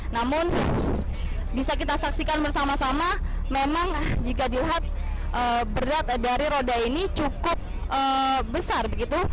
namun bisa kita saksikan bersama sama memang jika dilihat berat dari roda ini cukup besar begitu